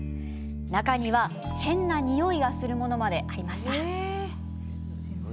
中には変なにおいがするものまでありました。